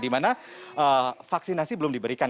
dimana vaksinasi belum diberikan